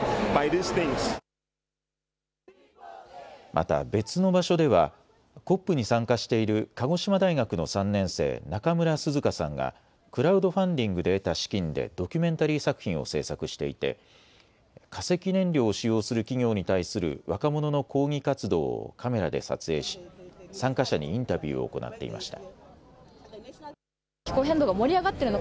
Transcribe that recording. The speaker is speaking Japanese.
また別の場所ではＣＯＰに参加している鹿児島大学の３年生、中村涼夏さんがクラウドファンディングで得た資金でドキュメンタリー作品を制作していて化石燃料を使用する企業に対する若者の抗議活動をカメラで撮影し参加者にインタビューを行っていました。